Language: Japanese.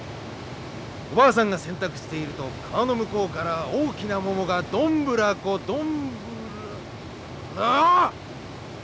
おばあさんが洗濯していると川の向こうから大きな桃がどんぶらこどんぶらあ！